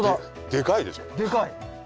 でかい。